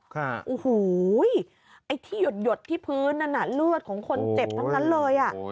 โอ้โหไอ้ที่หยดที่พื้นนั่นน่ะเลือดของคนเจ็บทั้งนั้นเลยอ่ะ